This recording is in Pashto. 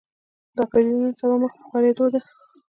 دا پدیده نن سبا مخ په خورېدو ده